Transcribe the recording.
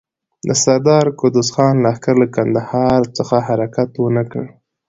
د سردار قدوس خان لښکر له کندهار څخه حرکت ونه کړ.